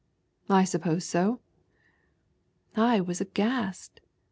I suppose so." I was aghast.